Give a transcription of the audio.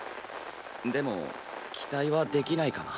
でも期待はできないかな。